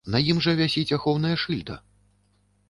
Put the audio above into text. На ім жа вісіць ахоўная шыльда!